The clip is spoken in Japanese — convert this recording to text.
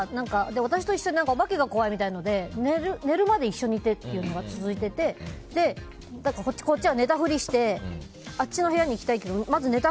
私と一緒におばけが怖いみたいで寝るまで一緒にいてというのが続いてこっちは寝たふりしてあっちの部屋に行きたいから。